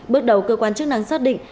bước đầu cơ quan chức năng xác định